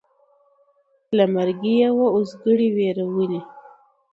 له مرګي یې وو اوزګړی وېرولی